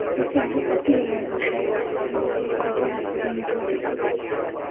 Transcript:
La segunda parte del álbum, "Shade" proporciona, por el contrario, un sentimiento más oscuro.